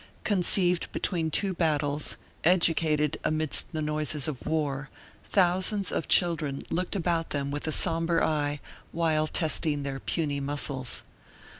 Conceived between two battles, educated amidst the noises of war, thousands of children looked about them with a somber eye while testing their puny muscles.